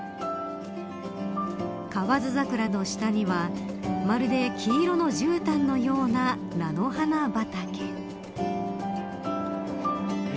河津桜の下にはまるで黄色のじゅうたんのような菜の花畑。